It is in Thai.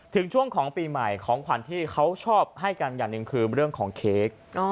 ช่วงของปีใหม่ของขวัญที่เขาชอบให้กันอย่างหนึ่งคือเรื่องของเค้ก